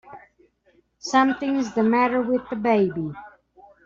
Something's the matter with the baby!